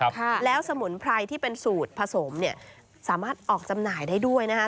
ค่ะแล้วสมุนไพรที่เป็นสูตรผสมเนี่ยสามารถออกจำหน่ายได้ด้วยนะคะ